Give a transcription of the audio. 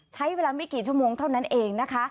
ใช้เวลาไม่กี่ชั่วโมงเท่านั้นเองนะคะ